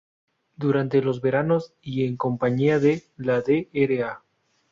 Durante los veranos y en compañía de la Dra.